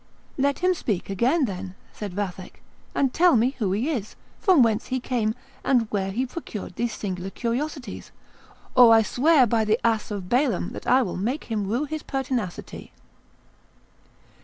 "Let him speak again, then," said Vathek, "and tell me who he is, from whence he came, and where he procured these singular curiosities, or I swear by the ass of Balaam that I will make him rue his pertinacity."